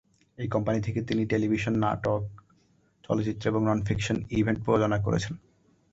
এই কোম্পানি থেকে তিনি টেলিভিশন নাটক, চলচ্চিত্র এবং নন-ফিকশন ইভেন্ট প্রযোজনা করছেন।